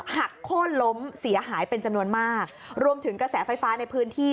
หักโค้นล้มเสียหายเป็นจำนวนมากรวมถึงกระแสไฟฟ้าในพื้นที่